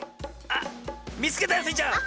あっみつけたよスイちゃん。